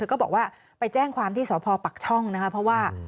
ก็บอกว่าไปแจ้งความที่สพปักช่องนะคะเพราะว่า